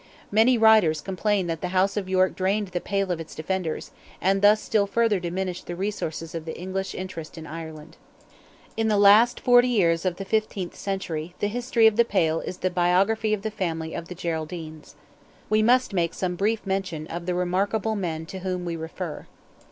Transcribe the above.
Many writers complain that the House of York drained "the Pale" of its defenders, and thus still further diminished the resources of the English interest in Ireland. In the last forty years of the fifteenth century, the history of "the Pale" is the biography of the family of the Geraldines. We must make some brief mention of the remarkable men to whom we refer.